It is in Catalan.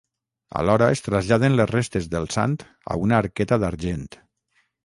Alhora es traslladen les restes del sant a una arqueta d'argent.